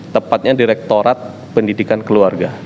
tepatnya direktorat pendidikan keluarga